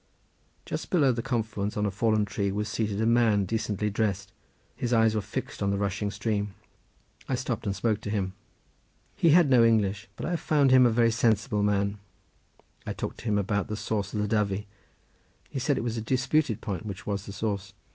Just below the confluence on a fallen tree was seated a man decently dressed; his eyes were fixed on the rushing stream. I stopped and spoke to him. He had no English, but I found him a very sensible man. I talked to him about the source of the Dyfi. He said it was a disputed point which was the source.